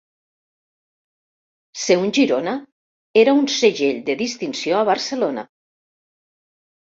Ser un Girona era un segell de distinció a Barcelona.